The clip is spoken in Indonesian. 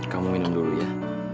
kamu minum dulu ya